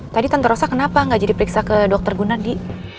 tadi tante rosa kenapa gak jadi periksa ke dokter gunadi